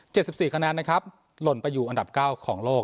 สิบสี่คะแนนนะครับหล่นไปอยู่อันดับเก้าของโลก